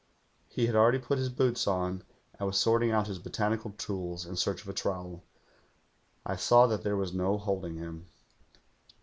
"He had already' put his boots on, and was sorting out his botanical tools in search of a trowel. I saw that there was no holding him.